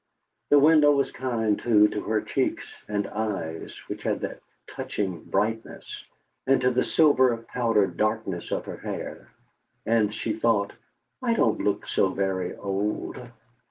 The window was kind, too, to her cheeks, and eyes, which had that touching brightness, and to the silver powdered darkness of her hair. And she thought: 'I don't look so very old!'